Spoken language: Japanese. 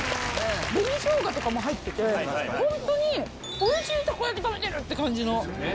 紅ショウガとかも入ってて、本当においしいたこ焼き食べてるって感じの。